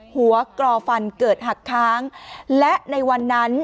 หัวกรอฟันเกิดหักค้างและในวันนั้น